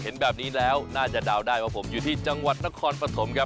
เห็นแบบนี้แล้วน่าจะดาวได้ว่าผมอยู่ถึงจังหวัดตะคอนประถม